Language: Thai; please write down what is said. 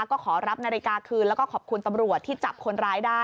ก็ขอรับนาฬิกาคืนแล้วก็ขอบคุณตำรวจที่จับคนร้ายได้